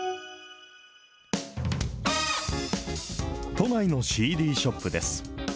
都内のＣＤショップです。